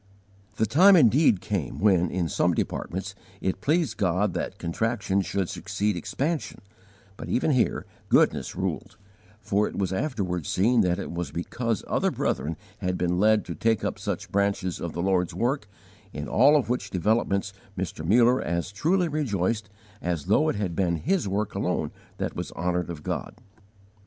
The time indeed came when, in some departments, it pleased God that contraction should succeed expansion, but even here goodness ruled, for it was afterward seen that it was because other brethren had been led to take up such branches of the Lord's work, in all of which developments Mr. Muller as truly rejoiced as though it had been his work alone that was honoured of God.